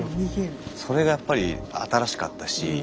それがやっぱり新しかったし。